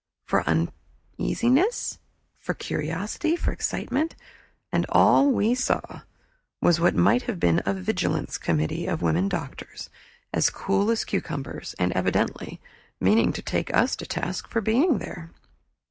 For uneasiness, for curiosity, for excitement and all we saw was what might have been a vigilance committee of women doctors, as cool as cucumbers, and evidently meaning to take us to task for being there.